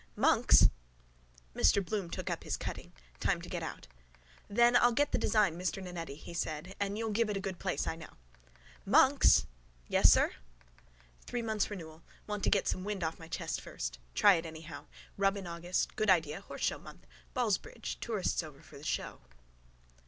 —Monks! Mr Bloom took up his cutting. Time to get out. —Then I'll get the design, Mr Nannetti, he said, and you'll give it a good place I know. —Monks! —Yes, sir. Three months' renewal. Want to get some wind off my chest first. Try it anyhow. Rub in August: good idea: horseshow month. Ballsbridge. Tourists over for the show.